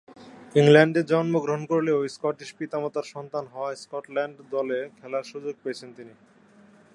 ইংল্যান্ডে জন্মগ্রহণ করলেও স্কটিশ পিতা-মাতার সন্তান হওয়া স্কটল্যান্ড দলে খেলার সুযোগ পেয়েছেন তিনি।